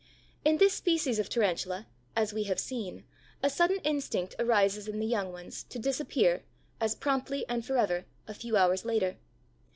In this species of Tarantula, as we have seen, a sudden instinct arises in the young ones, to disappear, as promptly and forever, a few hours later.